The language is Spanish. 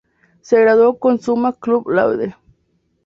Se graduó con "summa cum laude".